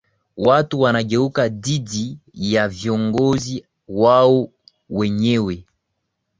watu wanageuka dhidi ya viongozi wao wenyewe